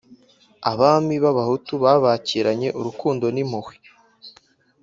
Abami b'Abahutu babakiranye urukundo n'impuhwe.